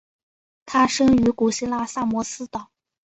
他生于古希腊萨摩斯岛。